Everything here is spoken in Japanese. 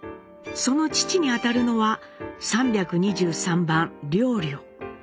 その父にあたるのは３２３番良良。